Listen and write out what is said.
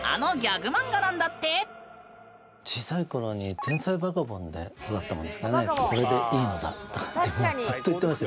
小さい頃に「天才バカボン」で育ったもんですからね。とかってずっと言ってましたよ。